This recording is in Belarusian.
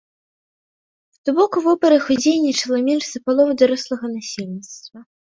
То бок у выбарах удзельнічала менш за палову дарослага насельніцтва.